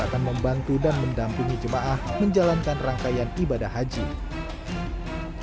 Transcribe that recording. akan membantu dan mendampingi jemaah menjalankan rangkaian ibadah haji alfian raharjo madinah